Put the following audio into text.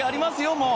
もう。